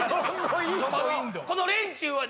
「この連中は」